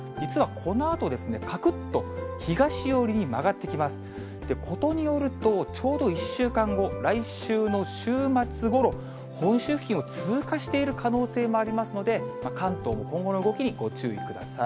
ことによると、ちょうど１週間後、来週の週末ごろ、本州付近を通過している可能性もありますので、関東も今後の動きにご注意ください。